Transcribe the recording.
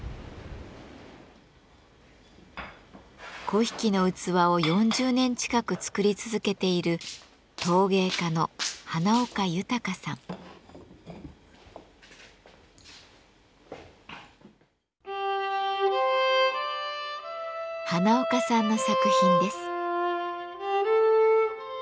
粉引の器を４０年近く作り続けている花岡さんの作品です。